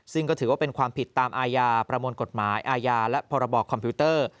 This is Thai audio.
ซึ่งก็ถือว่าเป็นความผิดตามอาญาประมวลกฎหมายอาญาและพรบคอมพิวเตอร์